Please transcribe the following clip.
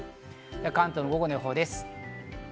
関東の午後の予報です。